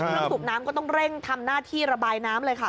สูบน้ำก็ต้องเร่งทำหน้าที่ระบายน้ำเลยค่ะ